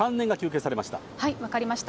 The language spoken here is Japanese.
分かりました。